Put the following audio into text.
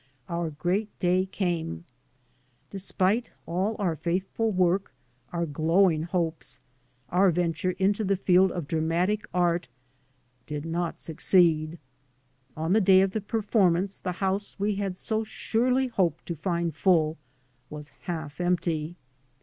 Our great day came. Despite all our faithful work, our glowing hopes, our venture mto the field of dramatic art did not succeed. On the day of the per formance the house we had so surely hoped to find full was half empty.